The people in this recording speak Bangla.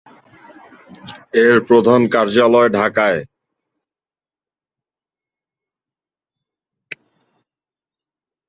এর প্রধান কার্যালয় ঢাকায়।